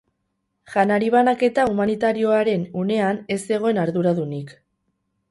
Janari-banaketa humanitarioaren unean ez zegoen arduradunik.